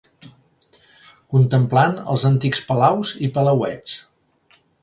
Contemplant els antics palaus i palauets